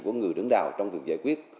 của người đứng đầu trong việc giải quyết